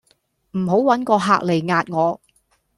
唔好搵個客嚟壓我